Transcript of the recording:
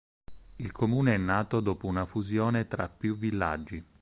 Il comune è nato dopo una fusione tra più villaggi.